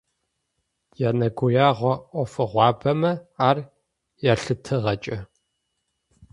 Енэгуягъо ӏофыгъуабэмэ ар ялъытыгъэкӏэ.